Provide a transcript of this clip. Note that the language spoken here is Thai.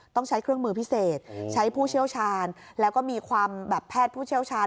ต้องใช้เครื่องมือพิเศษใช้ผู้เชี่ยวชาญแล้วก็มีความแบบแพทย์ผู้เชี่ยวชาญ